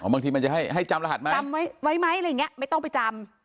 บางทีมันจะให้จำรหัสไหมจำไว้ไหมไม่ต้องไปจำ